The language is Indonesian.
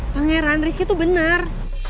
tenggeran risiko itu bener